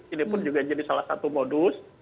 ini pun juga jadi salah satu modus